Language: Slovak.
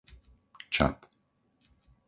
Čab